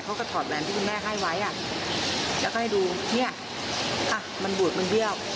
ถอดแหวนที่คุณแม่ให้ไว้อ่ะแล้วก็ให้ดูเนี่ยอ่ะมันบูดมันเบี้ยว